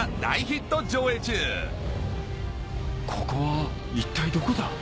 ここは一体どこだ？